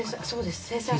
そうです。